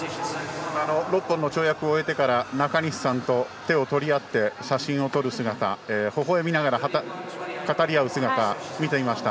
６本の跳躍を終えてから中西さんと手を取り合って写真を撮る姿ほほえみながら語り合う姿を見ていました。